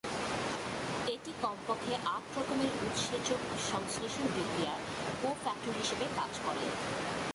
এটি কমপক্ষে আট রকমের উৎসেচক সংশ্লেষণ বিক্রিয়ায় কো-ফ্যাক্টর হিসেবে কাজ করে।